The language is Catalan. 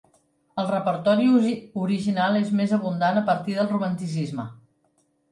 El repertori original és més abundant a partir del Romanticisme.